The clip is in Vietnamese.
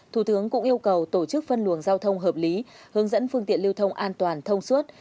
thủ tướng cũng yêu cầu tổ chức phân luồng giao thông hợp lý hướng dẫn phương tiện lưu thông an toàn thông suốt